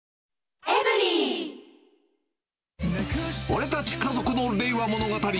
俺たち家族の令和物語。